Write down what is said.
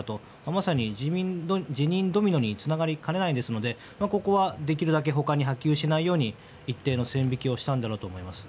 まさに辞任ドミノにつながりかねないですのでここはできるだけほかに波及しないように一定の線引きをしたんだろうと思います。